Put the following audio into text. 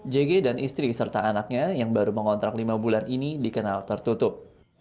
jg dan istri serta anaknya yang baru mengontrak lima bulan ini dikenal tertutup